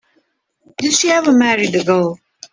Did she ever marry the girl?